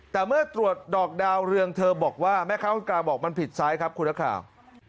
แต่เมื่อตรวจดอกดาวเรืองเธอบอกว่าแม่ค้าคนกลางบอกมันผิดซ้ายครับคุณนักข่าว